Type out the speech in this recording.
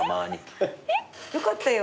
よかったよ